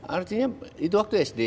artinya itu waktu sd